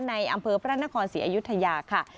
ในอำเภอพระนครศรีอยุธยาค่ะ